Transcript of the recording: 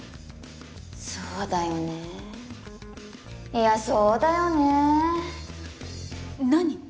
そうだよねいやそうだよね何？